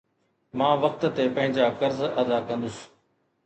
مان وقت تي پنهنجا قرض ادا ڪندس